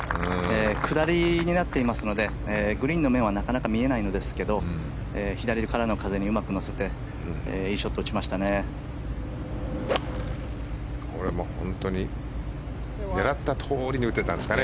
下りになっていますのでグリーンの面はなかなか見えないんですが左からの風にうまく乗せていいショットを打ちましたね。